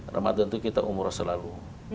ramadhan tuh kita umur selalu